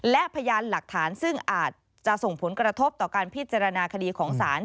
และพยานหลักฐานซึ่งอาจจะส่งผลกระทบต่อการพิจารณาคดีของศาล